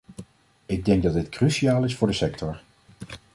Ik denk dat dit cruciaal is voor de sector.